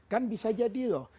kan bisa jadi loh